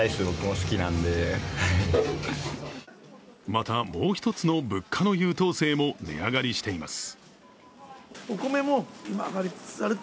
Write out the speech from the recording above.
また、もう一つの物価の優等生も値上がりしています。